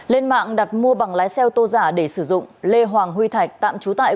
lên mạng đặt mua bằng lái xe ô tô giả để sử dụng lê hoàng huy thạch tạm trú tại